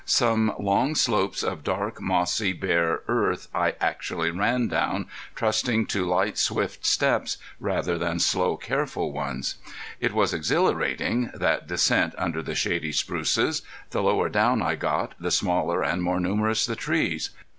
Some long slopes of dark, mossy, bare earth I actually ran down, trusting to light swift steps rather than slow careful ones. It was exhilarating, that descent under the shady spruces. The lower down I got the smaller and more numerous the trees.